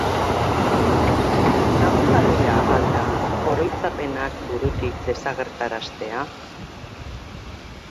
Lagungarria al da oroitzapenak burutik desagertaraztea?